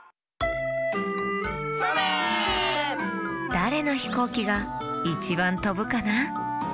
だれのひこうきがいちばんとぶかな？